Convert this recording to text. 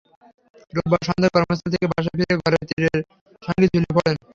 রোববার সন্ধ্যায় কর্মস্থল থেকে বাসায় ফিরে ঘরের তীরের সঙ্গে ঝুলে পড়েন।